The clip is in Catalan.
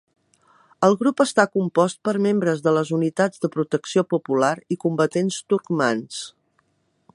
El grup està compost per membres de les Unitats de Protecció Popular i combatents turcmans.